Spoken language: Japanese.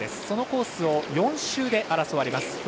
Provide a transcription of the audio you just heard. そのコースを４周で争われます